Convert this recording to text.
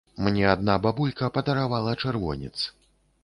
Мне адна бабулька падаравала чырвонец.